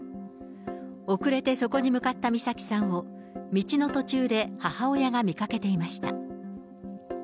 遅れてそこに向かった美咲さんを、道の途中で母親が見かけていました。